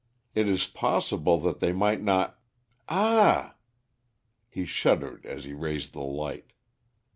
"It is possible that they might not Ah!" He shuddered as he raised the light.